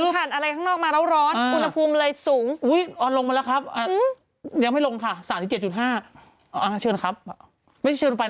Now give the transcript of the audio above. กรรมค่ะ๓๗๕๕เอาเชิญนะครับไม่กลับไปนะเข้าไหน